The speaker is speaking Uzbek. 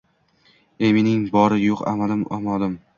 Ey, mening bori yo‘q amal-a’molim